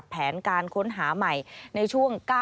สวัสดีค่ะสวัสดีค่ะ